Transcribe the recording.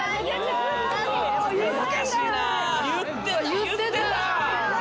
言ってた。